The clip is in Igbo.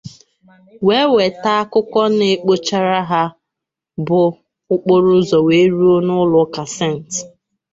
wee wèta akụkọ na a kpụchara ya bụ okporoụzọ wee ruo n'ụlọụka 'St